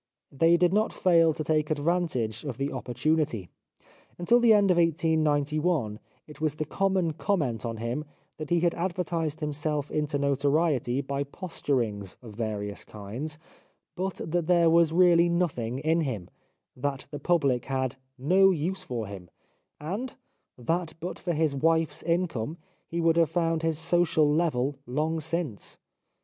They did not fail to take advantage of the opportunity. Until the end of 1891 it was the common comment on him that he had advertised himself into notoriety by posturings of various kinds, but that there was really nothing in him ; that the public had '*' no use for him," and, that but for his wife's income he would have found his social level long since.